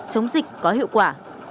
chống dịch có hiệu quả